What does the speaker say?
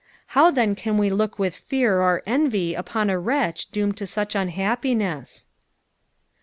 How then CftD we Took with fear or enr; tipon a wretch doomed to such uahappiness